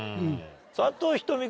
佐藤仁美